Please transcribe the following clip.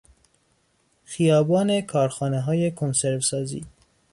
خیابان کارخانههای کنسرو سازی